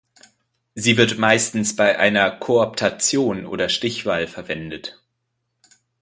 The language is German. Sie wird meistens bei einer Kooptation oder Stichwahl verwendet.